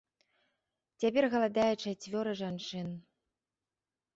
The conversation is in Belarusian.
Цяпер галадае чацвёра жанчын.